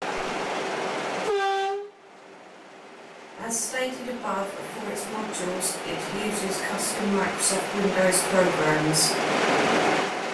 As stated above, for its modules it uses custom Microsoft Windows programs.